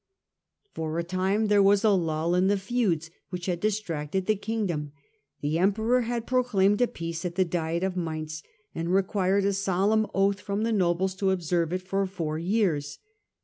For a time there was a lull in the feuds which had distracted the king dom. The emperor had proclaimed a peace at the diet of Mainz, and required a solemn oath from the nobles to observe it for four years.